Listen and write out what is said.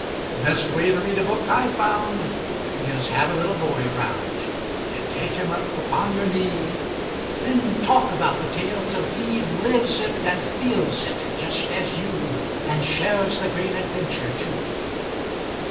Best way to read a book I've found Is have a little boy around And take him up upon your knee; Then talk about the tale, till he Lives it and feels it, just as you, And shares the great adventure, too.